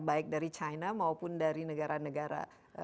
baik dari china maupun dari negara negara